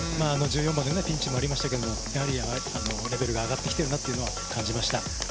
１４番でピンチもありましたけど、レベルが上がってきているなと感じました。